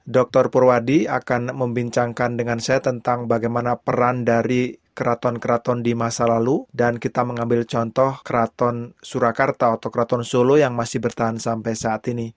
dr purwadi akan membincangkan dengan saya tentang bagaimana peran dari keraton keraton di masa lalu dan kita mengambil contoh keraton surakarta atau keraton solo yang masih bertahan sampai saat ini